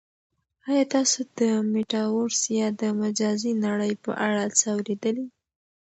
آیا تاسو د میټاورس یا د مجازی نړۍ په اړه څه اورېدلي؟